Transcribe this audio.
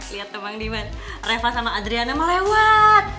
liat tuh bang diman refah sama adriana melewat